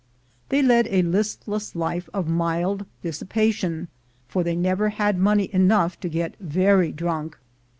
They led a listless life of mild dissipation, for they never had money enough to get very drunk.